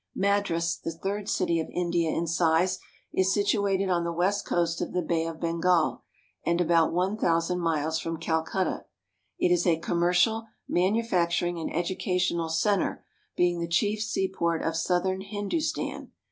Madras, the third city of India in size, is situated on the west coast of the Bay of Bengal and about one thousand miles from Calcutta. It is a commercial, manufacturing, and educational center, being the chief seaport of southern Hindustan.